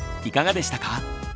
いかがでしたか？